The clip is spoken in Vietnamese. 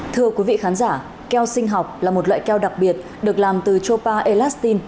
thưa quý vị khán giả keo sinh học là một loại keo đặc biệt được làm từ tropa elastin